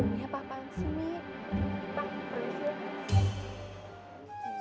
dia apaan sih mi